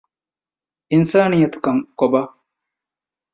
އިންސާނިއްޔަތުކަން ކޮބާ؟